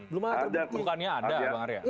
belum ada terbukti